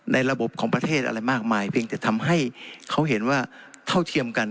ระบบของประเทศอะไรมากมายเพียงแต่ทำให้เขาเห็นว่าเท่าเทียมกัน